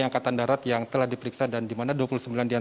ngenas ideal istilah ini harus berubah semakin selalu